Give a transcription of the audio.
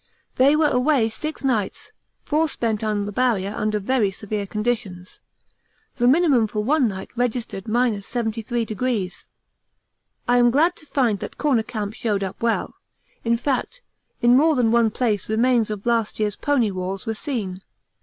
They were away six nights, four spent on the Barrier under very severe conditions the minimum for one night registered 73°. I am glad to find that Corner Camp showed up well; in fact, in more than one place remains of last year's pony walls were seen.